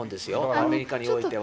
アメリカにおいては。